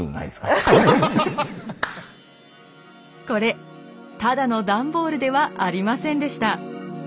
これただの段ボールではありませんでした。